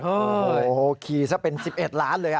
โอ้โหขี่ซะเป็น๑๑ล้านเลย